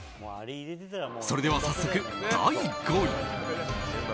それでは早速、第５位。